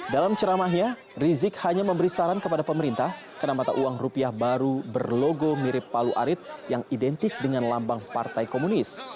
dalam ceramahnya rizik hanya memberi saran kepada pemerintah karena mata uang rupiah baru berlogo mirip palu arit yang identik dengan lambang partai komunis